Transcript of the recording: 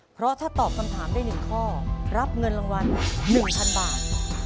เพราะถ้าตอบคำถามได้๑ข้อรับเงินรางวัล๑๐๐๐บาท